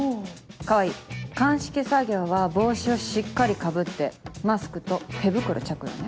川合鑑識作業は帽子をしっかりかぶってマスクと手袋着用ね。